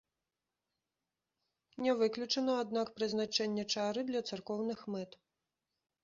Не выключана, аднак, прызначэнне чары для царкоўных мэт.